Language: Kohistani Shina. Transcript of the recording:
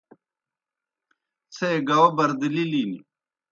څھے گاؤ بردِلِلِن۔